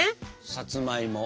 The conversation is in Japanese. さつまいも。